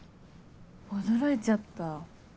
驚いちゃった。